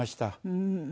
うん。